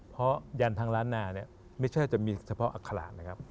เพราะยันทร์ทางร้านหน้าไม่ใช่จะมีเฉพาะอักขราญนะครับ